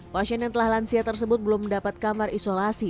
pasien yang telah lansia tersebut belum mendapat kamar isolasi